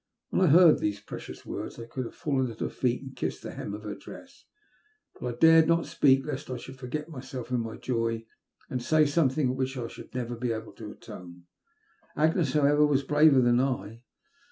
When I heard these precious words, I could have fallen at her feet and kissed the hem of her dress ; but I dared not speak, lest I should forget myself in my joy, and say something for which I should never be able to atone. Agnes, however, was braver than I.